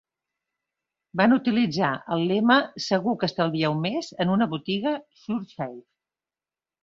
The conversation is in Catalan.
Van utilitzar el lema Segur que estalvieu més en una botiga ShurSave.